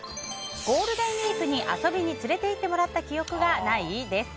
ゴールデンウィークに遊びに連れて行ってもらった記憶がない？です。